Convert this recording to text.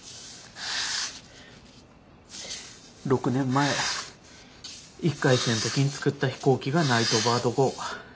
６年前１回生ん時に作った飛行機がナイトバード号。